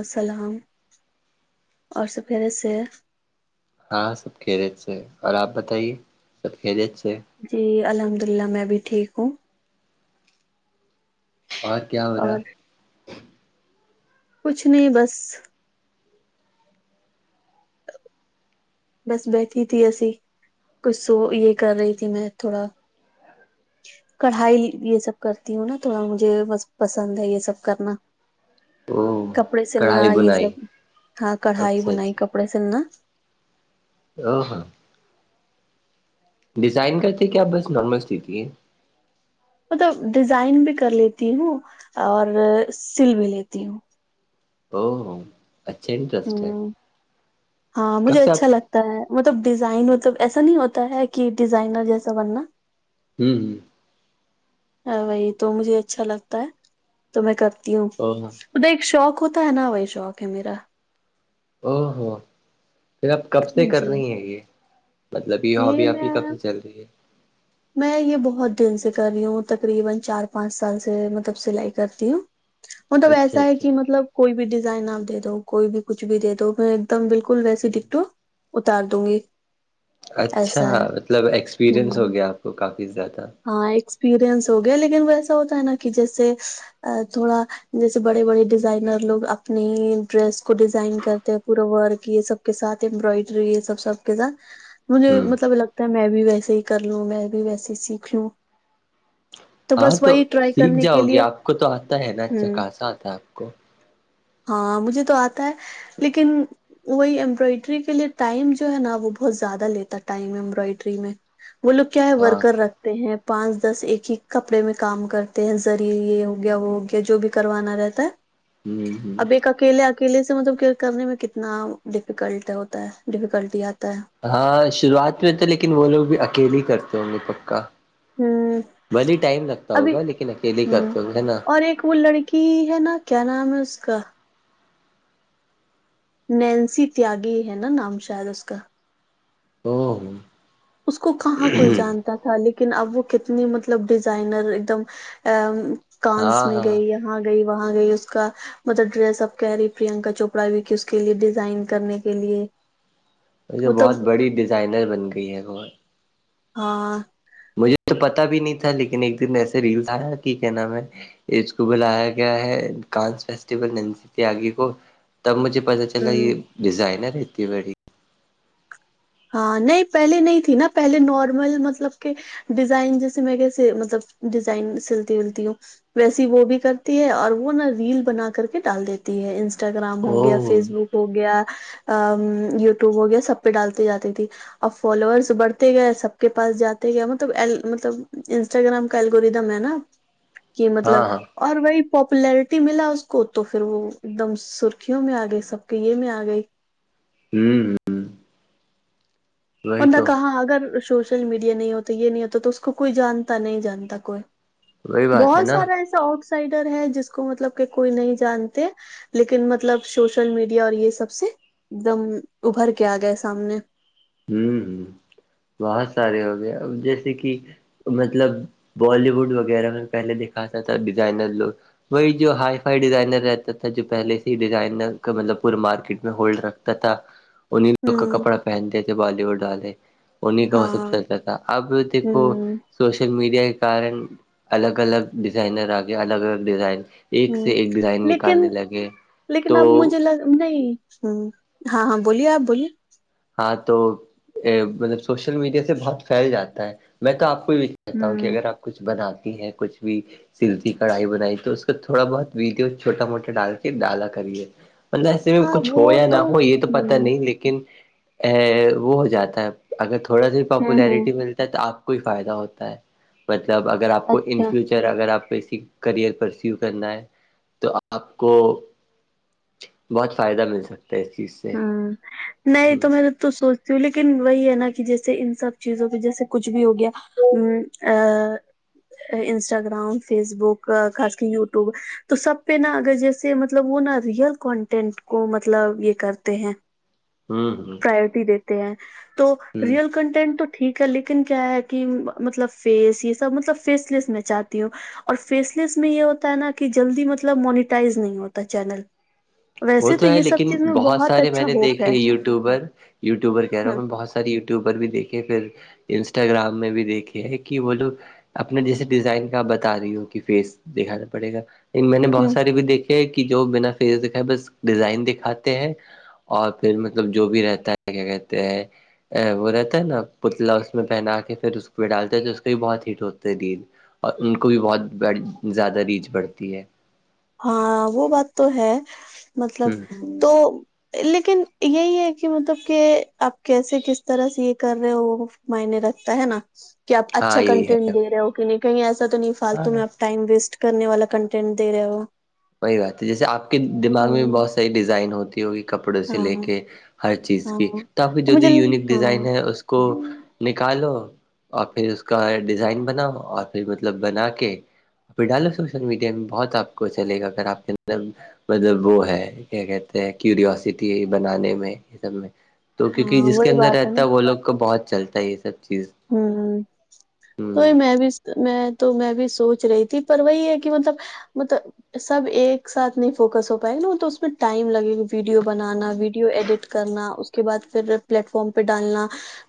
وسلام اور سب خیریت سے ہے ہاں سب خیریت سے ہے اور آپ بتائیے سب خیریت سے ہے جی الحمد اللہ میں بھی ٹھیک ہوں اور کیا ہورا اور کچھ نہیں بس بس بیٹھی تھی ایسی کچھ سو یہ کر رہی تھی میں تھوڑا کڑھائی یہ سب کرتی ہوں نا تھوڑا مجھے بس پسند ہے یہ سب کرنا او کپڑے سلنا کڑھائی یہ بنائی سب ہاں کڑھائی اچھا بنائی کپڑے سلنا آں ہاں ڈیزائن کرتے کیا آپ بس نارمل سیتی ہیں مطلب ڈیزائن بھی کر لیتی ہوں اور سل بھی لیتی ہوں او ہو اچھا ہ انٹرسٹ ہے کب سے آپ تاہے مطلب ڈیزائن مطلب ایسا نہیں ہوتا ہے کہ ڈیزائنر جیسا بننا ہوں ہمم ہاں وہی تو مجھے اچھا لگتا ہے تو میں کرتی ہوں او ہو اھ ایک شوق ہوتا ہے نا وہی شوق ہے میرا او ہو پھر آپ کب سے کر جی رہی ہیں یہ مطلب یہ ہوببئ آپ کی کب سے چل رہی ہے میں یہ بہت دن سے کر رہی ہوں تقریبن چار پانچ سال سے مطلب سلائی کرتی ہوں مطلب اچھا ایسا ہے اچھا کہ مطلب کوئی بھی ڈیزائن آپ دے دو کوئی بھی کچھ بھی دے دو میں ایک دم بالکل ویسی ڈٹکٹو اتار دوں گی اچھا ایسا ہے مطلب ایکسپیریئنس ہو ہوں گیا آپ کو کافی زیادہ ہاں ایکسپیرئنس ہو گیا لیکن وہ ایسا ہوتا ہے نا کہ جیسے تھوڑا جیسے بڑے بڑے ڈیزائنر لوگ اپنے ہی ڈریس کو ڈیزائن کرتے پورا ورک یہ سب کے ساتھ امبرائڈری یہ سب سب تھا مجھے ہوں مطلب لگتا ہے میں بھی ویسے ہی کر لوں میں بھی ویسے ہی سیکھ لوں ہاں بس تو وہی ٹرائی سیکھ کرنے جاؤ کے گی لیے آپ کو تو آتا ہے نا اچھا ہوں خاسہ آتا ہے آپ کو ہاں مجھے تو آتا ہے لیکن وہی امبرائڈری کے لیے ٹائم جو ہے نا وہ بہت زیادہ لیتا ہے ٹائم امبرائڈری میں وہ لوگ کیا ہے ہاں ورکر رکھ تے ہیں پانچ دس ایک ہی کپڑے میں کام کرتے ہیں زری یہ ہو گیا وہ ہو گیا جو بھی کروانا رہ تا ہوں ہوں اکیلے اکیلے سے مطلب کرنے میں کتنا ڈیفیکلٹ ہوتا ہے ڈیفیکلٹی آتا ہے ہاں شروعات میں تو لیکن وہ لوگ بھی اکیلے ہی کرتے ہوں گے پکا ہوں بھلی ٹائم لگتا ابھی ہوگا لیکن اکیلے ہی ہوں کرتے گے ہے نا اور ایک وہ لڑ کی ہے نا کیا نام ہے اس کا نینسی تیاگی ہے نا نام شاید اس کا او ہو اس کو کہاں کوئی جانتا تھا ل یکن اب وہ کتنی مطلب ڈیزائنر ایک دم ا کانس ہاں میں ہاں گئی ہے وہاں گئی وہاں گئی اس کا مطلب ڈریس اب کہہ رہی پررینکا چوپڑا بھی کہ اس کے لیے ڈیزائن کرنے کے لیے ویسے مطلب بہت بڑی ڈیزائنر بن گئی ہے وہ ہاں مجھے تو پتا بھی نہیں تھا لیکن ایک دن ایسے ریلس آیا کہ کیا نام ہے اس کو بلایا گیا ہے کانس فیسٹیول نینسی تیاگی کو تب مجھے پتا چلا ہوں یہ ڈیزائنر ہے اتی بڑی ہاں نہیں پہلے نہیں تھی نا پہلے نارمل مطلب کہ ڈیزائن جیسے میں کیسے مطلب ڈیزائن سلتی ولتی ہوں ویسی وہ بھی کرتی ہے اور وہ نا ریل بنا کر کے ڈال دی تی ہے انسٹاگرام ہو گیا او فیس بک ہو گیا یوٹیوب ہو گیا سب پہ ڈال جاتی تھی اب فالوورس بڑھتے گئے سب کے پاس جاتے گئے مطلب مطلب انسٹا گرام کا ایلگورتم ہے نہ کی مطلب ہاں ہاں اور وہی پاپولیرٹی ملا اس کو تو پھر وہ ایک دم سرخیوں میں آ گئی سب کے یہ میں آ گئی ہوں ہمم ورنہ تو کہاں اگر سوشل میڈیا نہیں ہوتا یہ نہیں ہوتا تو اس کو کوئی جانتا نہیں جانتا کوئی وہی بات ہے بہت نا سارا ایسا آؤٹ سائڈر ہے جس کو مطلب کہ کوئی نہیں جانتے لیکن مطلب سوشل میڈیا اور یہ سب سے ایک دم ابھر کے آ گئے سامنے ہوں ہوں بہت سارے ہو گیا جیسے کہ مطلب بالی ووڈ وغیرہ میں پہلے دکھاتا تھا ڈیزائنر لوگ وہی جو ہائی فائی ڈیزائنر رہتا تھا جو پہلے سے ہی ڈیزائنر کا مطلب پورے مارکیٹ میں ہولڈ رکھ تتا انیں لوگ کا ہوں کپڑا پہنتے تھے بالی ووڈ والے انیں کا وہ سب ہاں چلتا تھا اب دیکھو ہوں سوشل میڈیا کے کارن الگ الگ ڈیزائنر آگیا الگ الگ ڈیزائن ایک سے ہوں ایک ڈیزائن لیکن نکالنے لگے لیکن تو اب مجھے لگ نہیں ہاں ہاں بولیے آپ بولیے ہاں تو مطلب سوشل میڈیا سے بہت پھیل جاتا ہے میں تو آپ کو کہتا ہوں کہ اگر آپ کچھ بناتی ہیں کچھ بھی سلی کڑھائی بنائی تو اس کو تھوڑا بہت ویڈیو چھوٹا موٹا ڈال کے ڈالا کریے مطلب ایسے میں ہاں کچھ ہو وہ یا نہ ہو یہ تو پتا ہوں نہیں لیکن ا وہ ہو جاتا ہے اگر تھوڑا سا ہوں ہوں پاپولیرٹی ملتا ہے تو آپ کوئی فائدہ ہوتا ہے مطلب اگر آپ کو ان اچھا فیوچر اگر آپ کو کسی کرئر پرسو کرنا ہے تو آپ کو بہت فائدہ مل سکتا ہے اس چیز سے ہوں نہیں ہ تم تو سوچتی ہوں لیکن وہی ہے نا کہ جیسے ان سب چیزوں پہ جیسے کچھ بھی ہو گیا انسٹاگرام فیس بک خاص کی یوٹیوب تو سب پہ نا اگر جیسے مطلب وہ نا ریئل کانٹینٹ کو مطلب یہ کر تے ہیں ہوں ہوں بھی دیتے ہیں تو ریئل کنٹینٹ تو ٹھیک ہے لیکن کیا ہے کہ مطلب فیس یہ سب مطلب فیس لیس میں چاہتی ہوں اور فیس لیس میں یہ ہوتا ہے نا کہ جلدی مطلب مونیٹائز نہیں ہوتا چینل ویسے تو یہ سب چیز میں بہت ارے میں اچھا نے ہوپ دیکھے ہے یوٹیوبر یوٹیوبر کہہ رہا ہ ہوں میں بہت سارے یٹیوبر بھی دیکھے پھر انسٹاگرام میں بھی دیکھے ہے کہ وہ لوگ اپنا جیسے ڈیزائن کا آپ بتا رہی ہو کہ فیس دکھانا پڑے گا میں نے ہ بہت سارے بھی دیکھے ہے کہ جو بنا فیس دکھا ہے بس ڈیزائن دکھاتے ہیں اور پھر مطلب جو بھی رہتا ہے کیا کہتے ہیں ا وہ رہتا ہے نا پتلا اس میں پہنا کے پھر اس پہ ڈالتا ہے تو اس کے بھی بہت ہیٹ ہوتا ہے ریل اور ان کو بھی بہت بڑ زیادہ ریچ بڑھتی ہے ہاں وہ بات تو ہے مطلب ہ تو لیکن یہی ہے کہ مطلب کہ آپ کیسے کس طرح سے یہ کر رہے ہو معنی رکھتا ہے نا کہ آپ ہاں اچھا یہی ہے کنٹینٹ دے رہے ہو کہ نہیں کہیں ایسا تو نہیں فالتو ہاں میں اپ ٹائم ویسٹ کرنے والا کنٹینٹ دے رہے ہو وہی بات ہے جیسے آپ کے دماغ میں بھی ہوں بہت ساری ڈیزائن ہوتی ہوگی کپڑوں سے لے ہاں کے ہر چیز ہاں کی تو آپ کی جو مجھے بھی یونک ہاں ڈیزائن ہے اس کو نکالو اور پھر اس کا ڈیزائن بناؤ اور پھر مطلب بنا کے پھر ڈالو سوشل میڈیا میں بہت آپ کو چلے گا اگر آپ کے مطلب وہ ہے کیا کہتے ہیں کیوروسٹی بنانے میں یہ سب میں تو کیونکہ ہاں جس کے وہی اندر بات رہتا نا ہے وہ لوگ کا بہت چلتا ہے یہ سب چیز ہوں ہ تو یہ میں بھی میں تو میں بھی سوچ رہی تھی پر وہی ہے کہ مطلب مطلب سب ایک ساتھ نہیں فوکس ہو پائے گا نا وہ تو اس میں ٹائم لگے گا ویڈیو بنانا ویڈیو ایڈٹ کرنا اس کے بعد پھر پلیٹ فارم پہ ڈالنا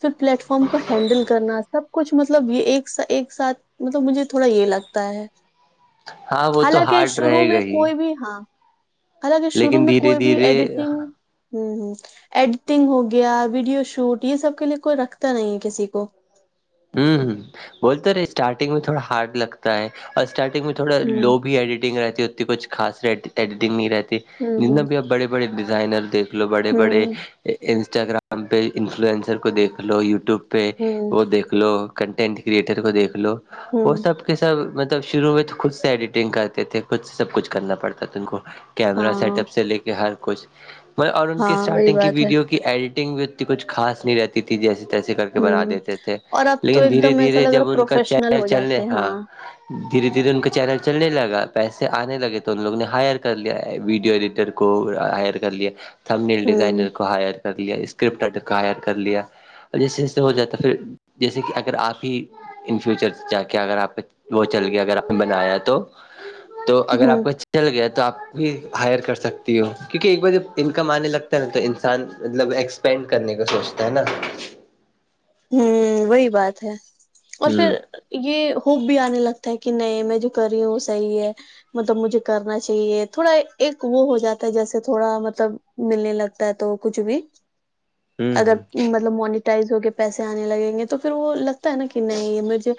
پھر پلیٹ فارم کو ہینڈل کرنا سب کچھ مطلب یہ ایک س ایک ساتھ مطلب مجھے تھوڑا یہ لگتا ہے ہاں وہ تو حالانکہ ہارڈ شروع رہے گا میں ہی کوئی بھی ہاں حالانکہ شروع لیکن میں دھیرے کوئی بھی دھیرے ایڈیٹنگ ہاں ہاں ایڈیٹنگ ہو گیا ویڈیو شوٹ یہ سب کے لیے کوئی رکھتا نہیں ہے کسی کو ہوں بولتے رہے اسٹارٹنگ میں تھوڑا ہارڈ لک ہوتا ہے اور اسٹارٹنگ میں تھوڑا ہوں لو بھی ایڈیٹنگ رہتی ہے اتتی کچھ خاص ایڈیٹنگ نہیں رہتی ہوں جتنا ہوں بھی اب بڑے بڑے ڈیزائنر دیکھ لو بڑے بڑے ہوں انسٹاگرام پہ انفلوئنسر کو دیکھ لو یوٹیوب پہ ہوں وہ دیکھو یک لو کنٹینٹ کریٹر کو دیکھ لو وہ ہوں سب کے سب مطلب شروع میں تو خود سے ایڈیٹنگ کرتے تھے خود سے سب کچھ کرنا پڑتا تھا ان کو کیمرا سیٹ ہاں اپ سے لے کے ہر کچھ میں اور ان کے ہاں وہی اسٹارٹنگ کی بات ہے ویڈیو کی ایڈیٹنگ بھی اتنی کچھ خاص نہیں رہتی تھی جیسے تیسے کر کے بنا ہوں دیتے تھے اور اب تو لیکن ایک دھیرے دم ایسا دھیرے لگ رہا جب ان کا پروفیشنل چینل ہو چل لے جاتے ہیں ہاں دھیرے دھیرے ان کا چینل چلنے لگا پیسے آنے لگے تو ان لوگ نے ہائر کر لیا ہے ویڈیو ایڈیٹر کو ہائر کر لیا تھمبنیل ہوں ڈیزائنر کو ہائر کر لیا اسکرپٹ آٹر کو ہائر کر لیا اور جیسے جیسے ہو جاتا پھر جیسے کہ اگر آگے ہی ان فیوچر جا کے اگر آپ وہ چل گیا اگر آپ نے بنایا تو تو اگر آپ ہوں کو چل گیا تو آپ بھی ہائر کر سکتی ہو کیونکہ ایک بار جب انکم آنے لگتا ہے تو انسان مطلب ایکس پینڈ کرنے کا سوچتا ہے نا ہوں وہی بات ہے اور ہ پھر یہ ہوپ بھی آنے لگتا ہے کہ نہیں میں جو کر رہی ہوں وہ صحیح ہے مطلب مجھے کرناچائیے تھوڑا ایک وہ ہو جاتا ہے جیسے تھوڑا مطلب ملنے لگتا ہے تووہ کچھ بھی ہ اگر ہ مطلب مونیٹائز ہو کے پیسے آنے لگیں گے تو پھر وہ لگ ہوتاہے نا کہ نہیں یہ مجھے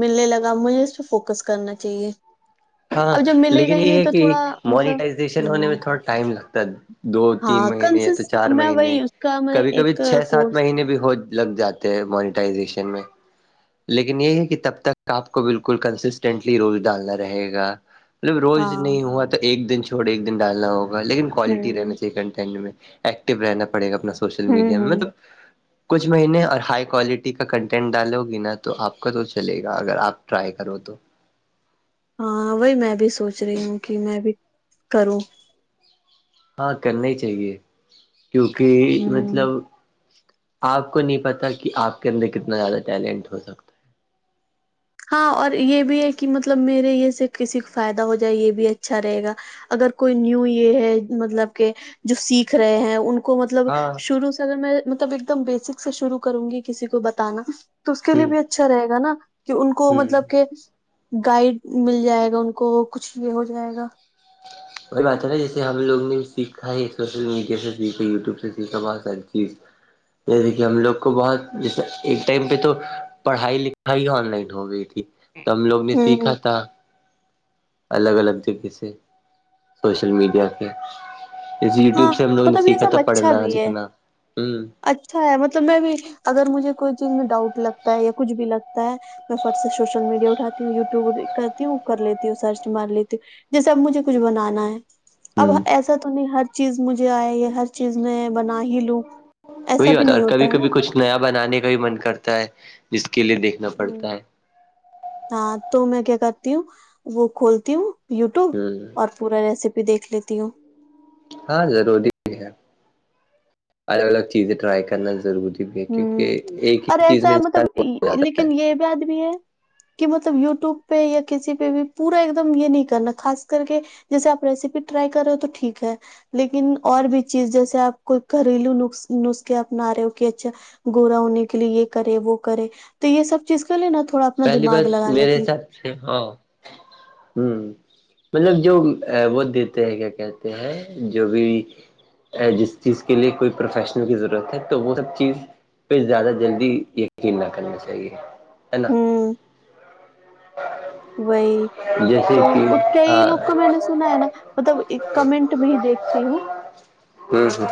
ملنے لگا مجھے اس پہ فوکس کرنا چائیے ہاں لیکن یہ ہے کہ تھوڑا مطلب مونیٹائیزیشن ہونے میں ہوں تھوڑا ٹائم لگتا ہے دو تین ہاں مہینے یا کنسس تو چار میں مہینے وہی اس کا میں کبھی کبھی ایک چھ سات کورس مہینے بھی ہو لگ جاتے ہیں منیٹائیزیشن میں لیکن یہ ہے کہ تب تک آپ کو بالکل کنسسٹینٹلی رول ڈالنا رہیں گا یار مطلب روز ہاں نہیں ہوا تو ایک دن چھوڑ ایک دن ڈالنا ہوگا لیکن کوالٹی ہوں رہنا چاہیے کنٹینٹ میں ایکٹو رہنا پڑے گا اپنا سوشل ہوں میڈیا میں ہوں مطلب کچھ مہینے اور ہائی کوالٹی کا کنٹینٹ ڈالوگی نا تو آپ کا تو چلیں گا اگر آپ ٹرائی کرو تو ہاں وہی میں بھی سوچ رہی ہوں کہ میں بھی کروں ہاں کرنے چاہیے کیونکہ ہوں مطلب آپ کو نہیں پتا کہ آپ کے اندر کتنا زیادہ ٹیلنٹ ہوگا ہاں اور یہ بھی ہے کہ مطلب میرے یہ سے کسی کو فائدہ ہو جائے یہ بھی اچھا رہے گا اگر کوئی نیو یہ ہے مطلب کہ جو سیکھ رہیں ہےان کو مطلب ہے ہاں شروع سے اگر میں مطلب ایک دم بیسک سے شروع کرونگی کسی کو بتانا تو اس کے لیے ہوں بھی اچھا رہےگا نا کہ ان کو ہوں مطلب کہ گائیڈ مل جائے گا ان کو کچھ بھی ہوجائے گا پتاچلا جیسے ہم لوگ نے سیکھا ہے سوشل میڈیا سے سیکھا یوٹیوب سے سیکھا بہت ساری چیز جیسے کہ ہم لوگ کو بہت جیسے ایک ٹائم پہ تو پڑھائی لکھائی آن لائن ہو گئی تھی تب لوگ نے ہوں سیکھا تھا الگ الگ طریقے سے سوشل میڈیا کے جیسے یوٹیوب ہاں سے ہم لوگوں نے مطلب یہ سیکھا سب تھا اچھا پڑھنا بھی ہے لکھنا ہوں اچھا ہے مطلب میں بھی اگر مجھے کوئی چیز میں ڈاؤٹ لگتا ہے یا کچھ بھی لگتا ہے میں فٹ سے سوشل میڈیا اٹھاتی ہوں یوٹیوب کرتی ہوں کر لیتی ہوں سرچ مار لیتی ہوں جیسے اب مجھے کچھ بنانا ہے اب ہوں ایسا تو نہیں ہر چیز مجھے آئے یہ ہر چیز میں بنا ہی لوں وہی ایسا بھی اتا ہے نہیں اور کبھی ہوتا نا کبھی کچھ نیا بنانے کا بھی من کرتا ہے جس کے لیے دیکھنا پڑتا ہوں ہے ہاں تو میں کیا کرتی ہوں وہ کھولتی ہوں یوٹیوب ہوں اور پورا ریسیپی دیکھ لیتی ہوں ہاں ضروری بھی ہے الگ الگ چیزیں ٹرائی کرنا ضروری کیونکہ ہوں ایک اور ہی چیز ایسا میں ہے مطلب انسان کو لیکن یہ بات بھی ہے کہ مطلب یوٹیوب پہ یا کسی پہ بھی پورا ایک دم یہ نہیں کرنا خاص کر کے جیسے آپ ریسیپی ٹرائی کر رہیں ہے ہو تو ٹھیک ہے لیکن اور بھی چیز جیسے آپ کوئی گھریلو ن نسخے اپنا رہیں ہو کہ اچھا گورا ہونے کے لیے یہ کرے وہ کرے تو یہ سب چیز کے لیے نا تھوڑا اپنا دماغ لگانا چاہیے اچھا ہاں ہوں مطلب جو وہ دیتے ہیں کیا کہتے ہیں جو بھی جس چیز کے لیے کوئی پروفیشنل کی ضرورت ہے تو وہ چیز پہ زیادہ جلدی یقین نہ کرنا چاہیے ہے نا ہوں وہئی جیسے تو کہ وہ کئی ہاں لوگ کو میں نے سنا ہے نا مطلب ایک کمنٹ بھی دیکھتی ہوں ہوں ہوں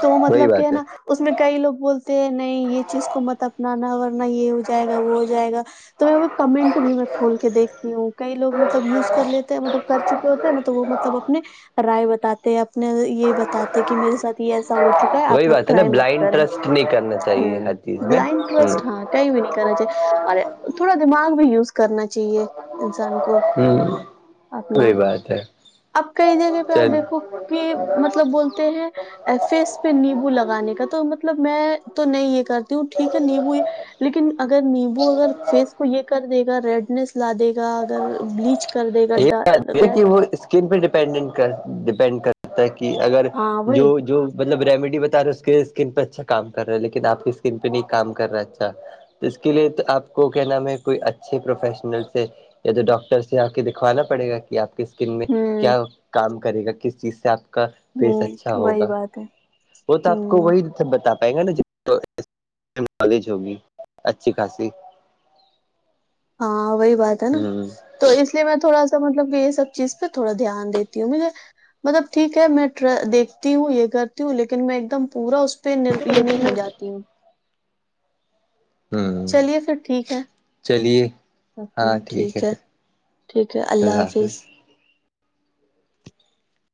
تو مطلب کہ ہے نا اس میں کئی لوگ بولتے ہیں نہیں یہ چیز کو مطلب نا نا ورنہ یہ ہو جائے گا وہ ہو جائے گا تو میں وہ کمنٹ بھی میں کھول کے دیکھتی ہوں کئی لوگ مطلب یوز کر لیتے ہیں مطلب کر چکے ہوتے ہیں نا تو وہ مطلب اپنے رائے بتے اپنے یہ بتاتے کہ میرے ساتھ ایسا ہو چکا ہے وہی آپ لوگ بات نا ٹرائی مت بلائنڈ کریں ٹرسٹ نہیں کرنا چاہیے ہمم ہر چیز میں بلائنڈ ٹرسٹ ہ ہات کہیں بھی نہیں کرنا چاہیے اور تھوڑا دماغ بھی یوز کرنا چاہیے انسان کو ہ کو اپنا وہی بات ہے اب کئی جگہ پہ چل آپ دیکھو کہ مطلب بولتے ہیں فیس پہ نیبو لگانے کا تو مطلب میں تو نہیں یہ کر ہوں ٹھیک ہے نیمبو یہ لیکن اگر نیمبو اگر فیس کو یہ کر دے گا ریڈنیس لا دے گا اگر بلیچ کر دے گا ریڈ سکن پہ دپنڈنگ کر ڈپینڈ کرتا ہے کہ اگر ہاں وہی جو جو مطلب ریمیڈی بتا رہے اس کے اسکن پہ اچھا کام کر رہا ہے لیکن آپ کی اسکن پہ نہیں کام کر رہا اچھا اس کے لیے تو آپ کو کیا نام ہے کوئی اچھے پروفیشنل سے یا تو ڈاکٹر سے آ کے دکھوانا پڑے گا کہ آپ کے اسکن میں ہوں کیا کام کرے گا کس چیز سے آپ کا پیس ہوں اچھا وہی ہوگا بات ہے وہ تو آپ کو ہوں وہی خود بتا پائے گا نا نالج ہوگی اچھی خاصی ہاں وہی بات ہے ہ نا تو اس لیے میں تھوڑا سا مطلب کہ یہ سب چیز پہ تھوڑا دھیان دیتی ہوں م مطلب ٹھیک ہے میں ٹر دیکھتی ہوں یہ کرتی ہوں لیکن میں ایک دم پورا پھر یہ نہیں ہو جاتی ہوں ہ چلیے پھر ٹھیک ہے چلیے رکھتی ہوں ٹھیک ہے ٹھیک ہے اللہ حافظ